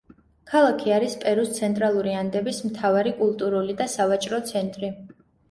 ქალაქი არის პერუს ცენტრალური ანდების მთავარი კულტურული და სავაჭრო ცენტრი.